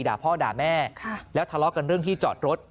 ด่าพ่อด่าแม่แล้วทะเลาะกันเรื่องที่จอดรถ